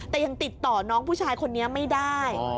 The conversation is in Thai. แต่ยังติดต่อน้องผู้ชายคนนี้ไม่ได้